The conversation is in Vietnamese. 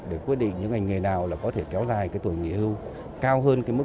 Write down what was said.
để quyết định những ngành nghề nào có thể kéo dài tuổi nghề hưu cao hơn mức quy định